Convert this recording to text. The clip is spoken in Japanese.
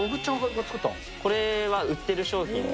これは売ってる商品で。